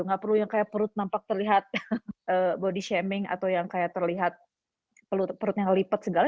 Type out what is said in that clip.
nggak perlu yang kayak perut nampak terlihat body shaming atau yang kayak terlihat perutnya lipat segala